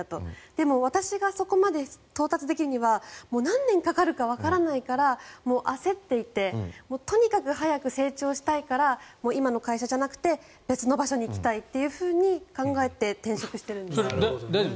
でも、私がそこまで到達できるにはもう何年かかるかわからないから焦っていてとにかく早く成長したいから今の会社じゃなくて別の場所に行きたいと考えて大丈夫？